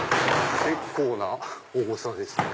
結構な重さです。